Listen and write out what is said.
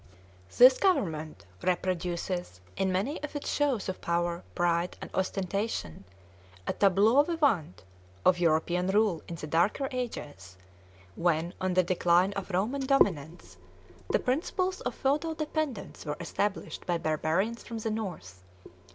[Illustration: A ROYAL BARGE] This government reproduces, in many of its shows of power, pride, and ostentation, a tableau vivant of European rule in the darker ages, when, on the decline of Roman dominance, the principles of feudal dependence were established by barbarians from the North.